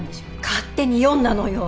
勝手に読んだのよ！